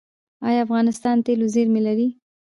آیا افغانستان د تیلو زیرمې لري؟